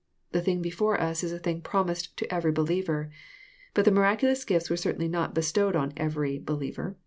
The thing before us is a thing promised to every believer. — But the miraculous gifts were certainly not bestowed on every believer.